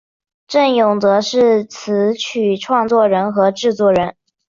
振永则是词曲创作人和制作人。